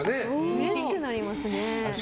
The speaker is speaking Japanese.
うれしくなりますね。